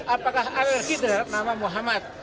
apakah alergi terhadap nama muhammad